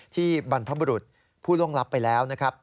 บรรพบุรุษผู้ล่วงลับไปแล้วนะครับ